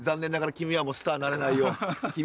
君はスターになれないよ。